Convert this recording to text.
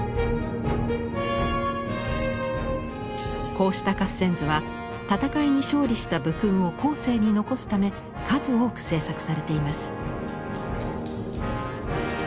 こうした合戦図は戦いに勝利した武勲を後世に残すため数多く制作されています。